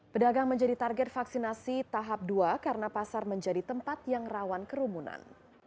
pedagang menjadi target vaksinasi tahap dua karena pasar menjadi tempat yang rawan kerumunan